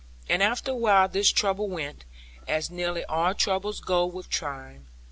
And after a while this trouble went, as nearly all troubles go with time.